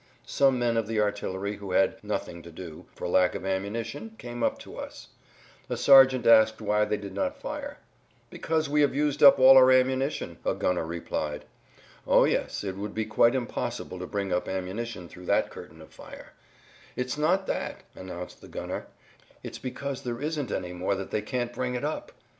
Some men of the artillery who had "nothing to do" for lack of ammunition came up to us. A sergeant asked why they did not fire. "Because we have used up all our ammunition," a gunner replied. "O yes, it would be quite impossible to bring up ammunition through that curtain of fire." "It's not that," announced the gunner; "it's because there isn't any more that they can't bring it up!"